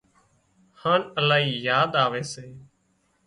هانَ الاهي ياد آوي سي